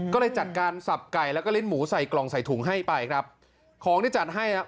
ก็เลยจัดการสับไก่แล้วก็ลิ้นหมูใส่กล่องใส่ถุงให้ไปครับของที่จัดให้อ่ะ